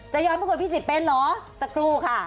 ย้อนประกวดพี่สิทธิ์เป็นเหรอสักครู่ค่ะ